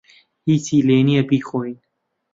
ھیچی لێ نییە بیخۆین.